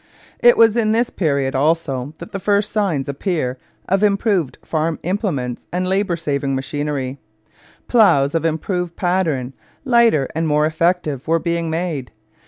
It was in this period also that the first signs appear of improved farm implements and labour saving machinery. Ploughs of improved pattern, lighter and more effective, were being made.